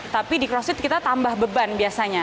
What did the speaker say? tapi di crossfit kita tambah beban biasanya